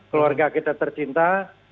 keluarga kita tercinta